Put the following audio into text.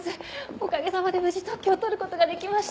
おかげさまで無事特許を取ることができました。